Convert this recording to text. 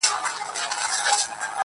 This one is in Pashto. درد زغمي,